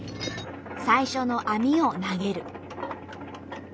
最初の網を投げる。